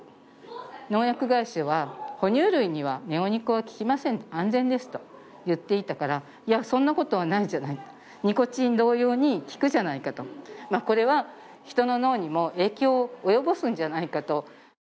農薬会社は哺乳類にはネオニコは効きません安全ですと言っていたから、いや、そんなことはないじゃないか、ニコチン同様に効くじゃないかとこれは人の脳にも影響を及ぼすんじゃないかと。